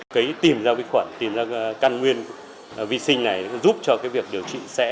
cấy tìm ra vi khuẩn tìm ra căn nguyên vi sinh này giúp cho cái việc điều trị sẽ